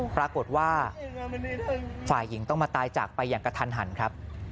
ปรากฏว่าฝ่ายหญิงต้องมาตายจากไปอย่างกระทันหันครับ